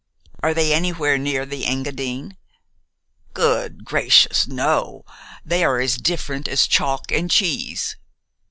"Are they anywhere near the Engadine?" "Good gracious, no! They are as different as chalk and cheese."